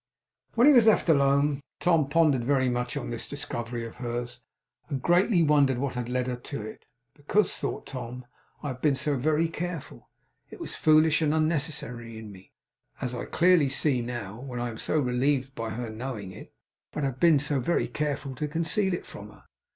When he was left alone, Tom pondered very much on this discovery of hers, and greatly wondered what had led her to it. 'Because,' thought Tom, 'I have been so very careful. It was foolish and unnecessary in me, as I clearly see now, when I am so relieved by her knowing it; but I have been so very careful to conceal it from her.